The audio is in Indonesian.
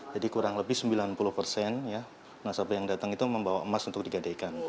jadi kurang lebih sembilan puluh ya nasabah yang datang itu membawa emas untuk digadaikan